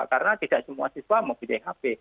karena tidak semua siswa mempunyai hp